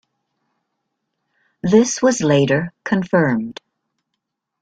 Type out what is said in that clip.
This was later confirmed.